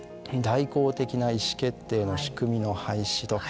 特に代行的な意思決定の仕組みの廃止と。